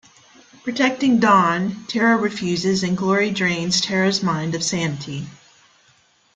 Protecting Dawn, Tara refuses, and Glory drains Tara's mind of sanity.